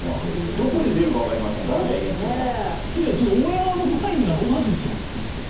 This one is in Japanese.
どこで出るか分かりませんから名言というのは。